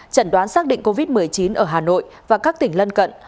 chẩn đoán xác định covid một mươi chín ở hà nội và các tỉnh lân cận